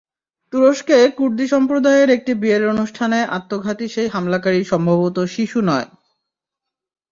তুরস্কে কুর্দি সম্প্রদায়ের একটি বিয়ের অনুষ্ঠানে আত্মঘাতী সেই হামলাকারী সম্ভবত শিশু নয়।